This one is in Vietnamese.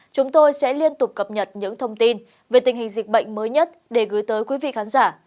chúng tôi sẽ liên tục cập nhật những thông tin về tình hình dịch bệnh mới nhất để gửi tới quý vị khán giả